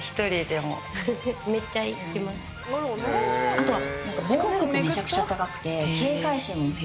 あとは。